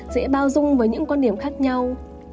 dễ bao dung với những quan điểm khác nhau